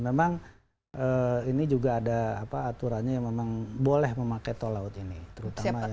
memang ini juga ada apa aturannya yang memang boleh memakai tolout ini terutama yang